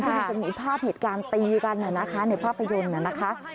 ที่มีภาพเหตุการณ์ตีกันในภาพยนตร์นะคะ